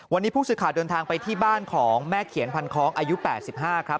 วันนี้ผู้สื่อข่าวเดินทางไปที่บ้านของแม่เขียนพันคล้องอายุ๘๕ครับ